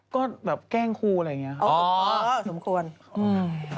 ก็แบบแกล้งครูอะไรอย่างนี้ครับ